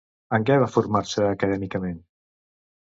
En què va formar-se acadèmicament?